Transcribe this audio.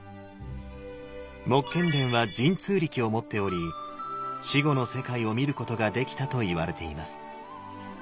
目連は神通力を持っており死後の世界を見ることができたといわれています。